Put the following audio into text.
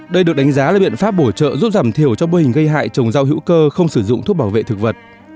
đây được đánh giá là biện pháp bổ trợ giúp giảm thiểu cho bươ hình gây hại trồng rau hữu cơ không sử dụng thuốc bảo vệ thực vật